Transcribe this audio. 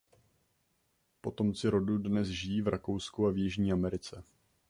Potomci rodu dnes žijí v Rakousku a v jižní Americe.